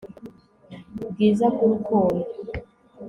bwiza bw' urukundo